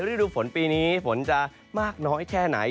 ฤดูฝนปีนี้ฝนจะมากน้อยแค่ไหน